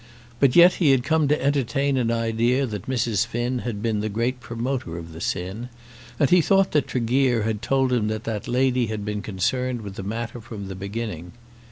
But yet he had come to entertain an idea that Mrs. Finn had been the great promoter of the sin, and he thought that Tregear had told him that that lady had been concerned with the matter from the beginning.